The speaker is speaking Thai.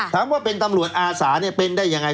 ถามว่าเป็นตำรวจอาสาเป็นได้ยังไง